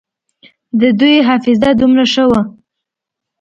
د دوى حافظه دومره ښه وه.